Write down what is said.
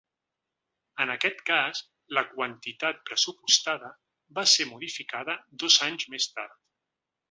En aquest cas, la quantitat pressupostada va ser modificada dos anys més tard.